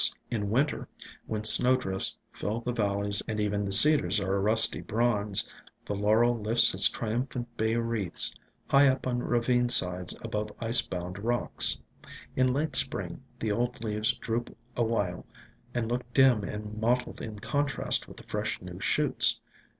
IN SILENT WOODS IO5 In Winter, when snowdrifts fill the valleys and even the Cedars are a rusty bronze, the Laurel lifts its triumphant bay wreaths high up on ravine sides above ice bound rocks. In late spring the old leaves droop awhile and look dim and mottled in contrast with the fresh new shoots.